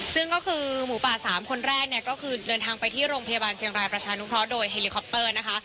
ซึ่งก็คือหมูป่า๓คนแรกเนี่ยก็คือเดินทางไปที่โรงพยาบาลเชียงรายประชานุเคราะห์โดยเฮลิคอปเตอร์นะคะ